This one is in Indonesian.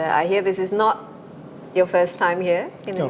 saya dengar ini bukan kali pertama kamu datang ke sini